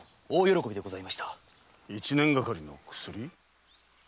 一年がかりの薬？